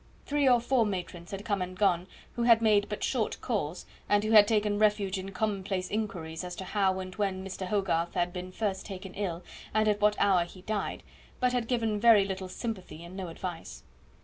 Three or four matrons had come and gone, who had made but short calls, and who had taken refuge in commonplace inquiries as to how and when Mr. Hogarth had been first taken ill, and at what hour he died, but had given very little sympathy, and no advice.